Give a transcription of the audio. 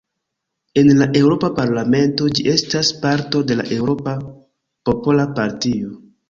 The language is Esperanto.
En la Eŭropa Parlamento ĝi estas parto de la Eŭropa Popola Partio.